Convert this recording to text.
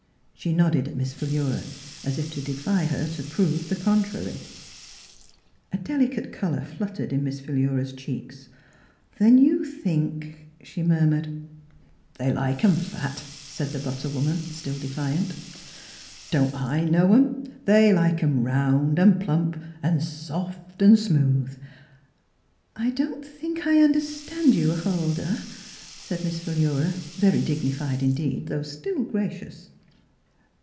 She nodded at Miss Philura, as if to defy her to prove the contrary. A delicate colour fluttered in Miss Phi lura's cheeks. " Then you think —" she murmured. Miss Philura's Wedding Gousn "They like 'em fat," said the butter woman, still defiant. " Don't I know 'em? They like 'em round and plump an' soft an' smooth.'* " I don't think I understand you, Hul dah," said Miss Philura, very dignified in deed, though still gracious.